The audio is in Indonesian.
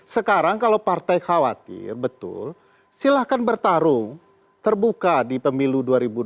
sekarang kalau partai khawatir betul silahkan bertarung terbuka di pemilu dua ribu dua puluh